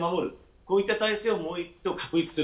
こういった体制を、もう一度、確立する。